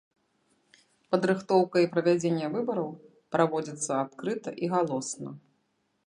Падрыхтоўка і правядзенне выбараў праводзяцца адкрыта і галосна.